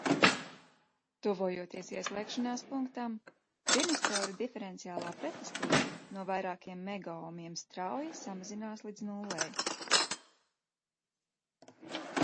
Tuvojoties ieslēgšanās punktam, dinistora diferenciālā pretestība no vairākiem megaomiem strauji samazinās līdz nullei.